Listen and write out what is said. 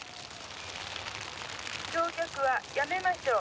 焼却はやめましょう。